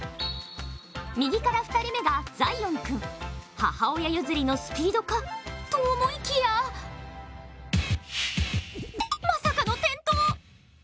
右から２人目がザイオン君、母親譲りのスピードかと思いきやまさかの転倒。